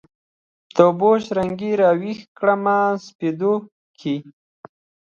د اوبو شرنګي راویښ کړمه سپېدو کښي